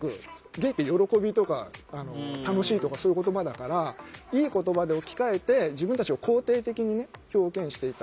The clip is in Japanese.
ゲイって喜びとか楽しいとかそういう言葉だからいい言葉で置き換えて自分たちを肯定的にね表現していった。